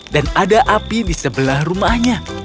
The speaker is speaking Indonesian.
dan ada api di sebelah rumahnya